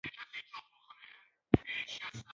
په دې کې د نړۍ د لیکوالو مقالې خپریږي.